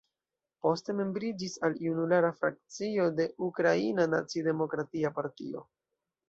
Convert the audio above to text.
Poste membriĝis al Junulara Frakcio de Ukraina Naci-Demokratia Partio.